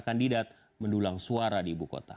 kandidat mendulang suara di ibu kota